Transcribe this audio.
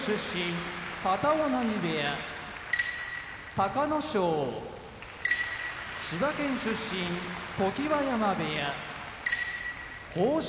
隆の勝千葉県出身常盤山部屋豊昇